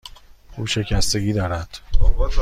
او شکستگی دارد.